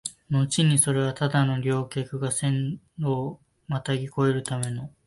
のちにそれはただ旅客が線路をまたぎ越えるための、